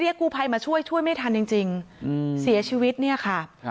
กูภัยมาช่วยช่วยไม่ทันจริงเสียชีวิตเนี่ยค่ะ